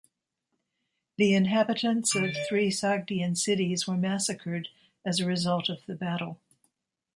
The inhabitants of three Sogdian cities were massacred as a result of the battle.